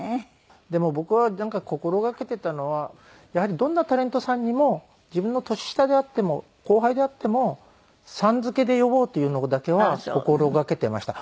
でも僕は心がけていたのはやはりどんなタレントさんにも自分の年下であっても後輩であっても「さん」付けで呼ぼうというのだけは心がけていました。